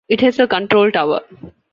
It has a control tower.